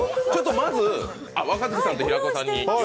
まず若槻さんと平子さんで。